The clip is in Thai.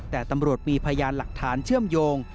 แต่ตำรวจมีพยานหลักฐานเชื่อมโยง